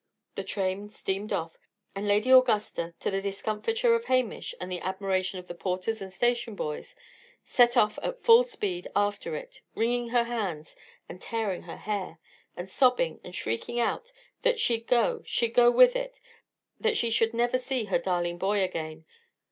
The train steamed off, and Lady Augusta, to the discomfiture of Hamish, and the admiration of the porters and station boys, set off at full speed after it, wringing her hands, and tearing her hair, and sobbing and shrieking out that "She'd go she'd go with it! that she should never see her darling boy again!"